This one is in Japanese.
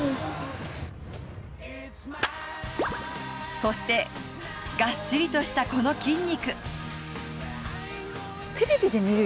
そして、がっしりとしたこの筋肉。